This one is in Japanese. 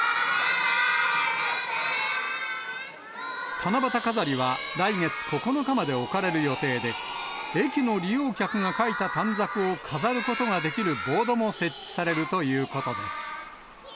七夕飾りは来月９日まで置かれる予定で、駅の利用客が書いた短冊を飾ることができるボードも設置されるということです。